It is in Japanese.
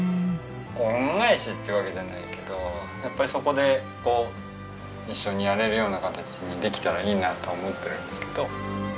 恩返しってわけじゃないけどやっぱりそこでこう一緒にやれるような形にできたらいいなとは思ってるんですけど。